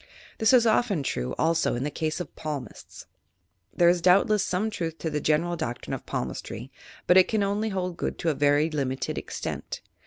This is often true, also, in the case of palmists. There is doubtless some truth in the genera! doctrine of palmistry, but it can only hold good to a very limited extent.